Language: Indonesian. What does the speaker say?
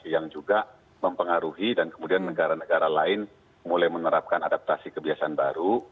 yang juga mempengaruhi dan kemudian negara negara lain mulai menerapkan adaptasi kebiasaan baru